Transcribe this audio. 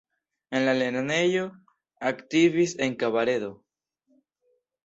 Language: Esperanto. En la lernejo aktivis en kabaredo.